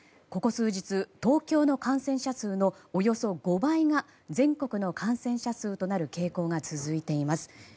ここ数日東京の感染者数のおよそ５倍が全国の感染者数となる傾向が続いています。